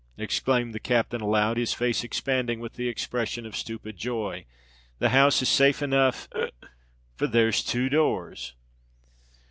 exclaimed the captain aloud, his face expanding with an expresion of stupid joy; "the house is safe enough—hic—for there's two doors!"